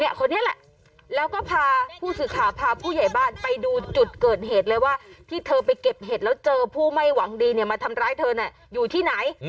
คนนี้แหละแล้วก็พาผู้สื่อข่าวพาผู้ใหญ่บ้านไปดูจุดเกิดเหตุเลยว่าที่เธอไปเก็บเห็ดแล้วเจอผู้ไม่หวังดีมาทำร้ายเธอน่ะอยู่ที่ไหน